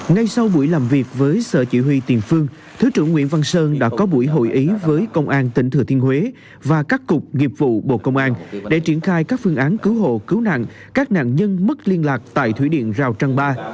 ngay sau buổi làm việc với sở chỉ huy tiền phương thứ trưởng nguyễn văn sơn đã có buổi hội ý với công an tỉnh thừa thiên huế và các cục nghiệp vụ bộ công an để triển khai các phương án cứu hộ cứu nạn các nạn nhân mất liên lạc tại thủy điện rào trăng ba